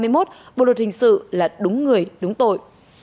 một luật hình sự là đúng người đúng tội